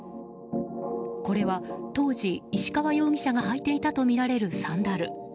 これは当時、石川容疑者が履いていたとみられるサンダル。